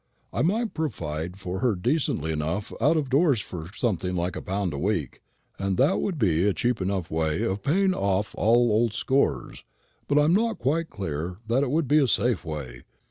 I might provide for her decently enough out of doors for something like a pound a week; and that would be a cheap enough way of paying off all old scores. But I'm not quite clear that it would be a safe way.